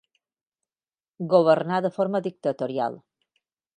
Governà de forma dictatorial.